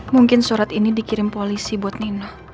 mungkin surat ini dikirim polisi buat nino